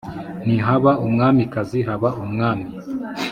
ntihaba umwamikazi haba umwami